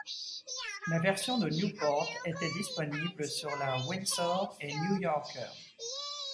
La version de Newport était disponible sur la Windsor et New Yorker.